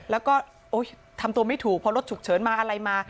แล้วก็ทำตัวไม่ถูกเพราะรถฉุกเฉินมาอะไรมา